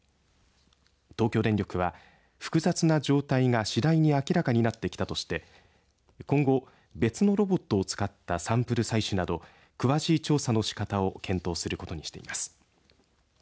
東京電力は複雑な状態が次第に明らかになってきたとして今後、別のロボットを使ったサンプル採取など詳しい調査のしかたを検討することにしています。